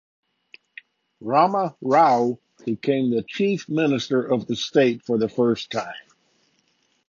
Rama Rao became the chief minister of the state for the first time.